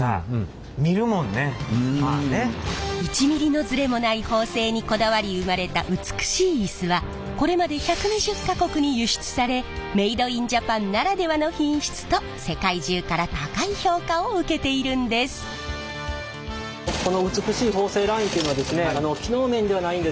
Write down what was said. １ｍｍのズレもない縫製にこだわり生まれた美しいイスはこれまで１２０か国に輸出されメイドインジャパンならではの品質と世界中から高い評価を受けているんです。と思ってるんです。